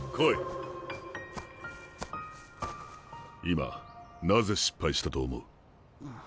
今なぜ失敗したと思う？